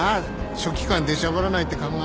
書記官出しゃばらないって考え。